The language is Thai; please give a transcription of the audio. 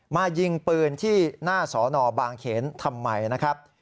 ยิงปืนที่หน้าสอนอบางเขนทำไมนะครับ